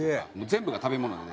全部が食べ物で。